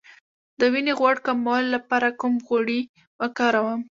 د وینې غوړ کمولو لپاره کوم غوړي وکاروم؟